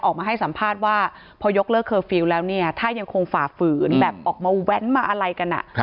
ออกมาให้สัมภาษณ์ว่าพอยกเลิกเคอร์ฟิลล์แล้วเนี่ยถ้ายังคงฝ่าฝืนแบบออกมาแว้นมาอะไรกัน